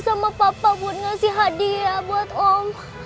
sama papa buat ngasih hadiah buat om